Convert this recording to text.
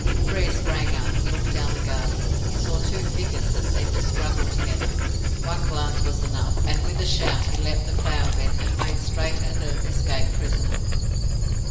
Frere sprang up, and looked down the garden. He saw two figures that seemed to struggle together. One glance was enough, and, with a shout, he leapt the flower beds, and made straight at the escaped prisoner.